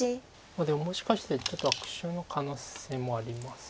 でももしかしてちょっと悪手の可能性もあります。